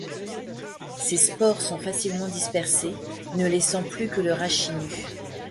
Ces spores sont facilement dispersées, ne laissant plus que le rachis nu.